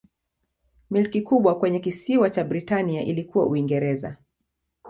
Milki kubwa kwenye kisiwa cha Britania ilikuwa Uingereza.